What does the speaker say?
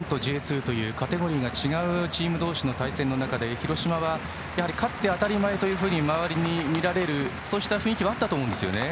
当然Ｊ１とＪ２というカテゴリーが違うチーム同士の対戦の中で広島は勝って当たり前だと周りに見られるそうした雰囲気もあったと思うんですよね。